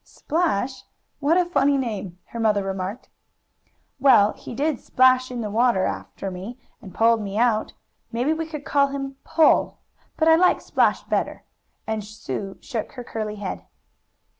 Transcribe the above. "Splash? What a funny name!" her mother remarked. "Well, he did splash in the water after me, and pulled me out. Maybe we could call him Pull, but I like Splash better," and Sue shook her curly head.